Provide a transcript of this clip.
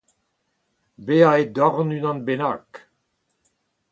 bezañ e dorn unan bennak